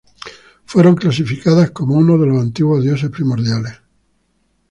Fueron clasificadas como unos de los antiguos dioses primordiales.